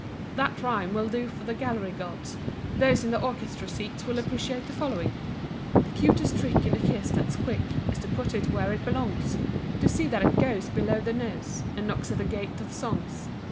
That rhyme will do for the "gallery gods"; those in the orchestra seats will appreciate the following: The cutest trick in a kiss that's quick Is to put it where it belongs; To see that it goes below the nose And knocks at the gate of songs.